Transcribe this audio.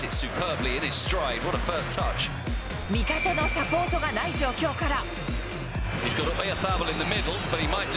味方のサポートがない状況から。